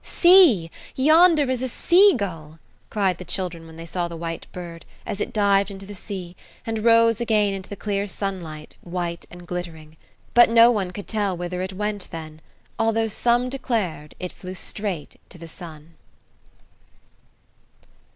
"See, yonder is a sea gull!" cried the children, when they saw the white bird, as it dived into the sea, and rose again into the clear sunlight, white and glittering. But no one could tell whither it went then although some declared it flew straight to the sun.